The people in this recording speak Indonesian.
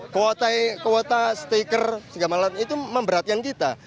kuota kuota stiker itu memberatkan kita